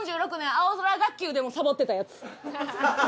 青空学級でもサボってたヤツ。